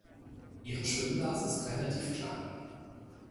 Ihre Schwimmblase ist relativ klein.